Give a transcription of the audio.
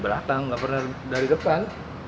belakang gak pernah dari depan